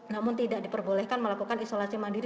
namun tidak diperbolehkan melakukan isolasi mandiri